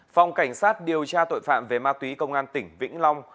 phòng cảnh sát điều tra tội phạm về ma túy công an tỉnh vĩnh long